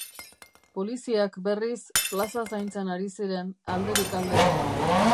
Poliziak, berriz, plaza zaintzen ari ziren, alderik alde.